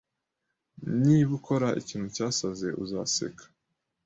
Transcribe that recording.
Niba ukora ikintu cyasaze, uzaseka